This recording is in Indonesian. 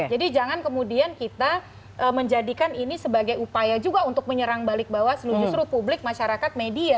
jadi jangan kemudian kita menjadikan ini sebagai upaya juga untuk menyerang balik bawaslu justru publik masyarakat media